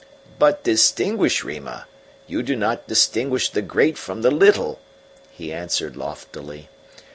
"But distinguish, Rima. You do not distinguish the great from the little," he answered loftily.